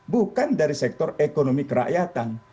bukan dari sektor ekonomi kerakyatan